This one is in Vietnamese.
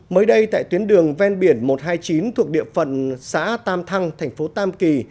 mới đây tại tuyến đường ven biển một trăm hai mươi chín thuộc địa phận xã tam thăng thành phố tam kỳ